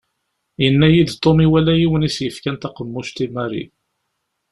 Yenna-yi-d Tom iwala yiwen i s-yefkan taqemmuct i Mary.